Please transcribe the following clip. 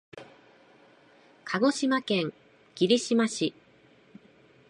鹿児島県霧島市